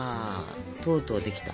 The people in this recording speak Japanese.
とうとうできた。